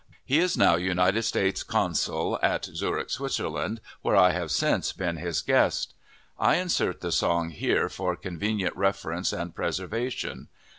He is now United States consul at Zurich, Switzerland, where I have since been his guest. I insert the song here for convenient reference and preservation.